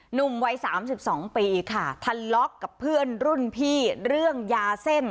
หนุ่มวัย๓๒ปีค่ะทะเลาะกับเพื่อนรุ่นพี่เรื่องยาเส้น